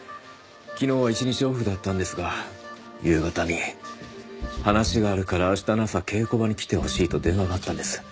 昨日は一日オフだったんですが夕方に「話があるから明日の朝稽古場に来てほしい」と電話があったんです。